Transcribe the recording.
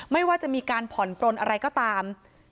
ไม่ว่าจะมีการผ่อนปลนอะไรก็ตาม